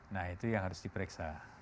nah itu yang harus diperiksa